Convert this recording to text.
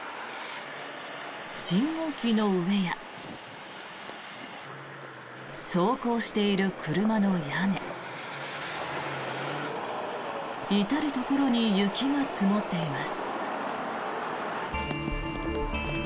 信号機の上や走行している車の屋根至るところに雪が積もっています。